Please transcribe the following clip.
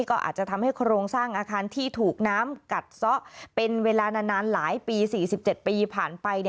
ก็อาจจะทำให้โครงสร้างอาคารที่ถูกน้ำกัดซะเป็นเวลานานหลายปี๔๗ปีผ่านไป